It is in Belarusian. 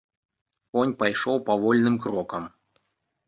Конь пайшоў павольным крокам.